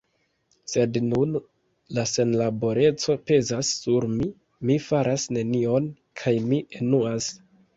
Sed nun la senlaboreco pezas sur mi: mi faras nenion, kaj mi enuas.